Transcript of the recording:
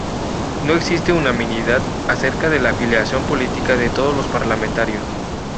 No existe unanimidad acerca de la afiliación política de todos los parlamentarios.